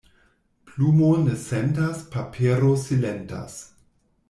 Plumo ne sentas, papero silentas.